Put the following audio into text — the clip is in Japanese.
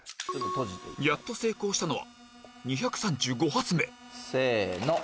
やっと成功したのは２３５発目せの！